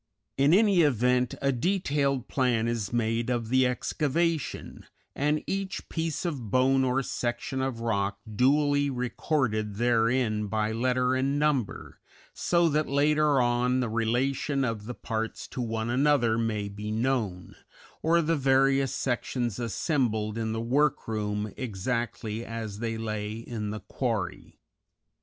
In any event, a detailed plan is made of the excavation, and each piece of bone or section of rock duly recorded therein by letter and number, so that later on the relation of the parts to one another may be known, or the various sections assembled in the work room exactly as they lay in the quarry.